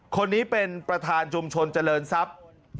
คนนี้เป็นประธานชุมชนเจริญทรัพย์